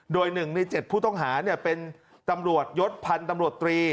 โดย๑ใน๗ผู้ต้องหาเป็นตำรวจยศพันธ์ตำรวจตรี